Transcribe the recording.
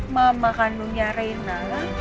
mama kandungnya rena